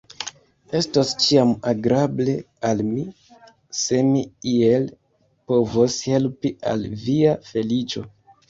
Estos ĉiam agrable al mi, se mi iel povos helpi al via feliĉo.